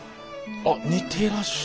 あ似てらっしゃる。